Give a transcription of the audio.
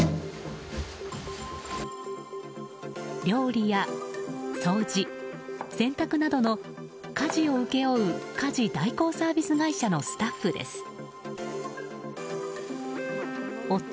料理や掃除、洗濯などの家事を請け負う家事代行サービス会社のスタッフです。